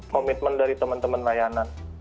komitmen dari teman teman layanan